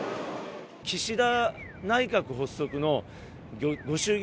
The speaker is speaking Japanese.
岸田内閣発足のご祝儀